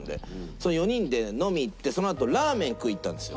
その４人で飲み行ってそのあとラーメン食いに行ったんですよ。